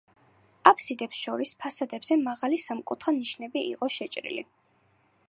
აფსიდებს შორის ფასადებზე მაღალი სამკუთხა ნიშნები იყო შეჭრილი.